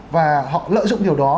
và họ lợi dụng điều đó